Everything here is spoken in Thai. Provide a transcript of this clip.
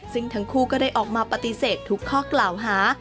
ซึ่งทั้งคู่ก็ได้ออกมาปฏิเสธทุกข้อกล่าวหา